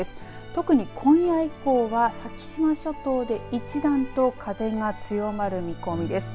特に今夜以降は先島諸島で一段と風が強まる見込みです。